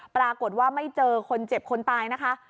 ปรากฏว่าไม่เจอคนเจ็บคนตายนะคะ